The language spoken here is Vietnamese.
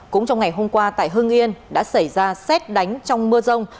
cũng trong ngày hôm qua tại hưng yên đã xảy ra xét đánh trong mưa rông